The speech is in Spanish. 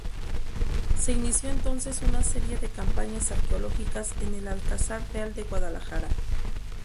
Se inició entonces una serie de campañas arqueológicas en el Alcázar Real de Guadalajara.